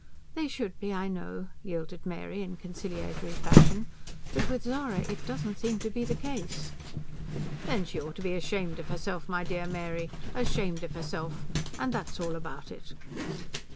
"They should be, I know," yielded Mary in conciliatory fashion. "But with Zara it doesn't seem to be the case." "Then she ought to be ashamed of herself, my dear Mary ashamed of herself and that's all about it!"